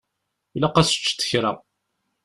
Ilaq ad teččeḍ kra.